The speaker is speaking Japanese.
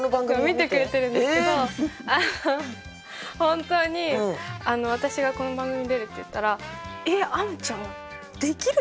見てくれてるんですけどあの本当に私がこの番組出るって言ったら「えっあむちゃんできるの？」